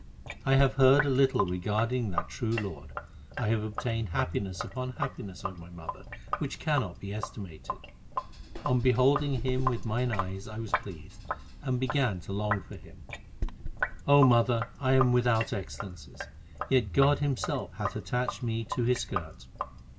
I have heard a little regarding that true Lord. I have obtained happiness upon happiness, O my mother, which cannot be estimated. HYMNS OF GURU ARJAN 301 On beholding Him with mine eyes I was pleased, and began to long for Him. O mother, I am without excellences, yet God Himself hath attached me to His skirt.